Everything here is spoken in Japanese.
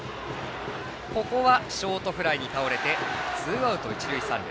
ここはショートフライに倒れてツーアウト一塁三塁。